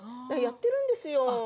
やってるんですよ。